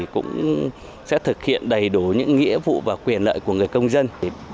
cũng sẽ thực hiện đầy đủ những nghĩa vụ và quyền lợi của người công dân